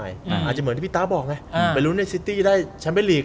อาจจะเหมือนที่พี่ตาบอกไงไปลุ้นในซิตี้ได้แชมป์เป็นลีก